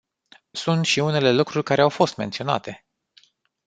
Sunt și alte lucruri care au fost menționate.